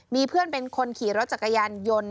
มีเพื่อนเป็นคนขี่รถจักรยานยนต์